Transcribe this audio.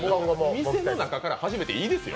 店の中から初めていいですよ。